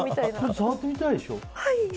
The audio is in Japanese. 触ってみたいでしょ？